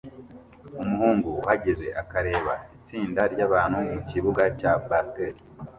Umuhungu uhagaze akareba itsinda ryabantu mukibuga cya basket